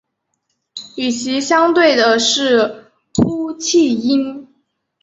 与其相对的是呼气音。